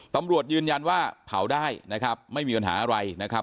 ตำรวจยืนยันว่าเผาได้นะครับไม่มีปัญหาอะไรนะครับ